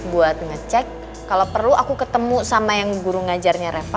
buat ngecek kalau perlu aku ketemu sama yang guru ngajarnya reva